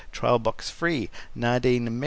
Trial box free. Nardine Med.